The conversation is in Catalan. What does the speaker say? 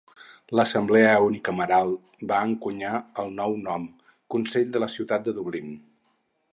L'assemblea unicameral va encunyar el nou nom "Consell de la Ciutat de Dublín".